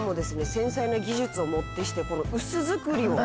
繊細な技術をもってして薄造りを。